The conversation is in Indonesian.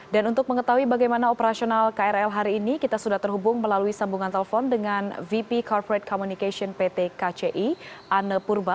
dan untuk mengetahui bagaimana operasional krl hari ini kita sudah terhubung melalui sambungan telepon dengan vp corporate communication pt kci anne purba